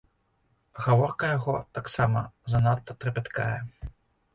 Гаворка яго таксама занадта трапяткая.